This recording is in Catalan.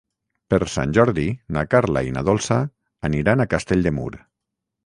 Per Sant Jordi na Carla i na Dolça aniran a Castell de Mur.